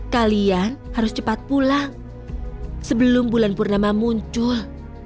kalian harus cepat pulang sebelum bulan purnama muncul